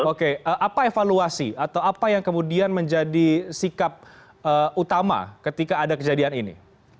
oke apa evaluasi atau apa yang kemudian menjadi sikap utama ketika ada kejadian ini